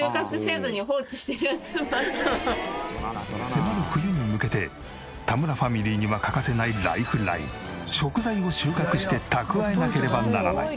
迫る冬に向けて田村ファミリーには欠かせないライフライン食材を収穫して蓄えなければならない。